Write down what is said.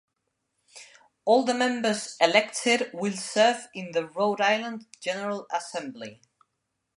All the members elected will serve in the Rhode Island General Assembly.